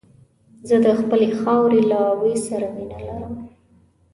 زه د خپلې خاورې له بوی سره مينه لرم.